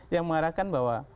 yang mengarahkan bahwa